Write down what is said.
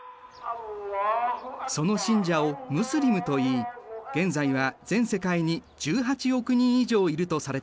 その信者をムスリムといい現在は全世界に１８億人以上いるとされている。